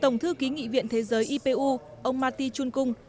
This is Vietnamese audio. tổng thư ký nghị viện thế giới ipu ông marty chunkung